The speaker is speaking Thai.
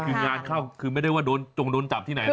คืองานเข้าคือไม่ได้ว่าโดนจงโดนจับที่ไหนนะ